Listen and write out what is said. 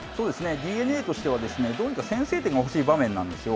ＤｅＮＡとしてはどうにか先制点が欲しい場面なんですよ。